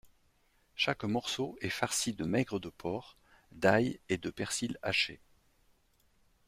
Chaque morceau est farci de maigre de porc, d’ail et de persil haché.